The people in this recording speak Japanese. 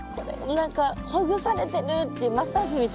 何かほぐされてるっていうマッサージみたいな。